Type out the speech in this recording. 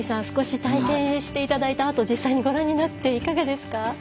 少し体験していただいたあと実際にご覧になっていかがですか？